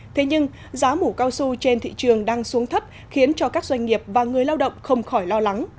thế nhưng giá mũ cao su trên thị trường đang xuống thấp khiến cho các doanh nghiệp và người lao động không khỏi lo lắng